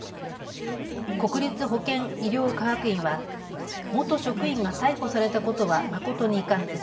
国立保健医療科学院は元職員が逮捕されたことは誠に遺憾です。